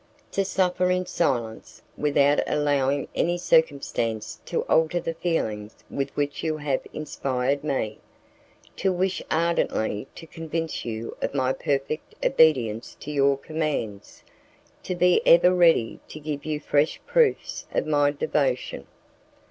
"To suffer in silence, without allowing any circumstance to alter the feelings with which you have inspired me; to wish ardently to convince you of my perfect obedience to your commands; to be ever ready to give you fresh proofs of my devotion."